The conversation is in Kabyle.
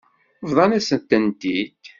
Bḍant-asen-tent-id.